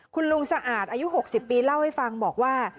คุณลุงสะอาดอายุ๖๐ปีเล่าให้ฟังบอกว่า